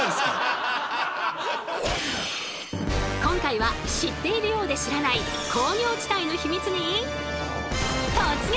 今回は知っているようで知らない工業地帯のヒミツに突撃！